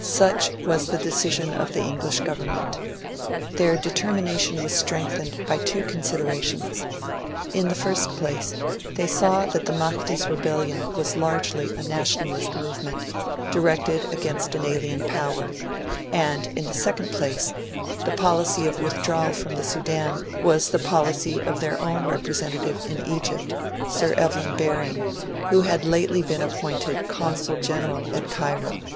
Such was the decision of the English Government. Their determination was strengthened by two considerations: in the first place, they saw that the Mahdi's rebellion was largely a nationalist movement, directed against an alien power, and, in the second place, the policy of withdrawal from the Sudan was the policy of their own representative in Egypt, Sir Evelyn Baring, who had lately been appointed Consul General at Cairo.